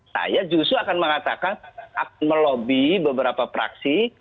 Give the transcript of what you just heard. saya justru akan mengatakan melobi beberapa praksi